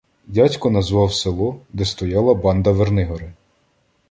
Дядько назвав село, де стояла банда "Вернигори”.